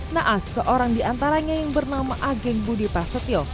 naas seorang di antaranya yang bernama ageng budi pasetio